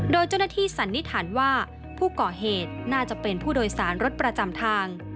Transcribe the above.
โดยเจ้าหน้าที่สันนิษฐานว่าผู้ก่อเหตุน่าจะเป็นผู้โดยสารรถประจำทาง